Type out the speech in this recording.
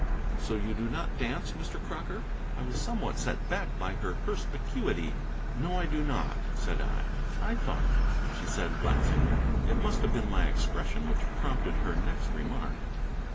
"So you do not dance, Mr. Crocker?" I was somewhat set back by her perspicuity. "No, I do not," said I. "I thought not," she said, laughing. It must have been my expression which prompted her next remark.